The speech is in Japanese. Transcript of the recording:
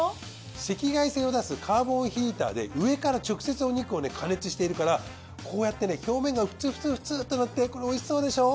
赤外線を出すカーボンヒーターで上から直接お肉を加熱しているからこうやって表面がフツフツフツとなってこれ美味しそうでしょう？